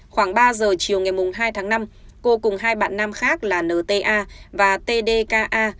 khoảng ba giờ chiều ngày hai tháng năm cô cùng hai bạn nam khác là nta và tdka